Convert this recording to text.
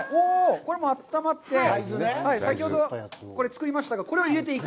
これも温まって、先ほど、これ、作りましたが、これを入れていく？